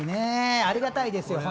ありがたいですよね。